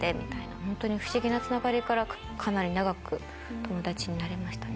本当に不思議なつながりからかなり長く友達になれましたね。